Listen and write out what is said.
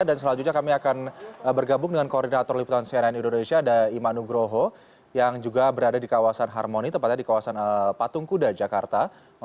dan selanjutnya kami akan bergabung dengan koordinator liputan senen indonesia iman nugroho yang juga berada di kawasan harmoni tempatnya di kawasan patung kuda jakarta